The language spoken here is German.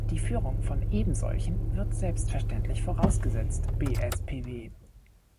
Die Führung von ebensolchen wird als selbstverständlich vorausgesetzt, bspw.